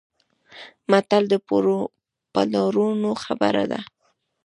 متل د پلرونو خبره ده.